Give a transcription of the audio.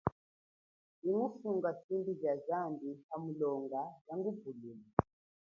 Ingufunga shimbi ja zambi, hamulonga, yangupulula.